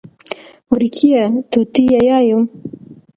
وړکیه! توته یایم.